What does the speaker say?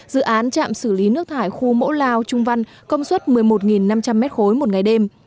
dự án trạm xử lý nước thải khu mẫu lao trung văn công suất một mươi một năm trăm linh m ba một ngày đêm